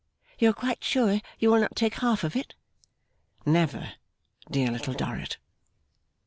'You are quite sure you will not take half of it?' 'Never, dear Little Dorrit!